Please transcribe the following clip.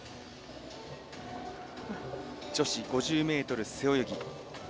女子５０ｍ背泳ぎ。